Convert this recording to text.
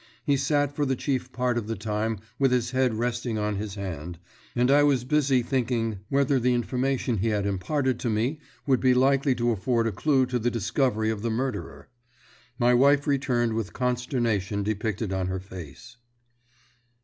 He sat for the chief part of the time with his head resting on his hand, and I was busy thinking whether the information he had imparted to me would be likely to afford a clue to the discovery of the murderer. My wife returned with consternation depicted on her face.